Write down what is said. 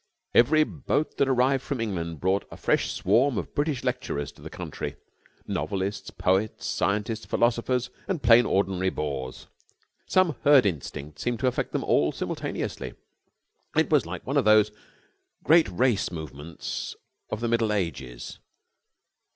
Every boat that arrived from England brought a fresh swarm of British lecturers to the country. Novelists, poets, scientists, philosophers, and plain, ordinary bores; some herd instinct seemed to affect them all simultaneously. It was like one of those great race movements of the Middle Ages.